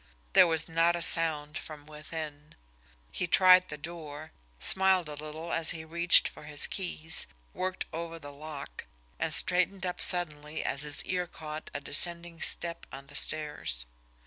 There was not a sound from within. He tried the door, smiled a little as he reached for his keys, worked over the lock and straightened up suddenly as his ear caught a descending step on the stairs.